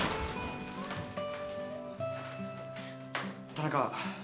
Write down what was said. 田中。